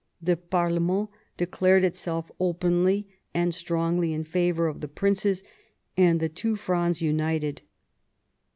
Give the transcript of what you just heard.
The parlement declared itself openly and strongly in favour, of the princes, and the two Frondes united.